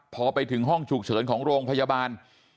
พอไปถึงห้องฉุกเฉินของโรงพยาบาล